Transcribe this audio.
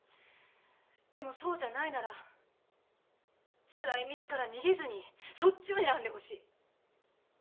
でもそうじゃないならつらい道から逃げずにそっちを選んでほしい。